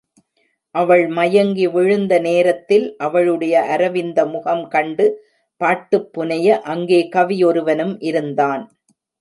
அவள் மயங்கி விழுந்த நேரத்தில், அவளுடைய அரவிந்த முகம் கண்டு பாட்டுப் புனய அங்கே கவி ஒருவனும் இருந்தான்.